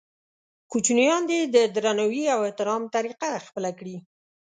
کوچنیان دې د درناوي او احترام طریقه خپله کړي.